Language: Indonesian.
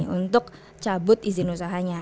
untuk cabut izin usahanya